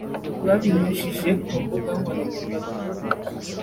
Babinyujije ku mbuga nkoranyambaga